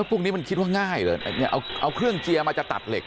พวกนี้มันคิดว่าง่ายเลยเนี่ยเอาเครื่องเจียร์มาจะตัดเหล็ก